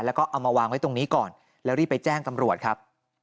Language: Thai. แล้วก็เอามาวางไว้ตรงนี้ก่อนแล้วรีบไปแจ้งตำรวจครับ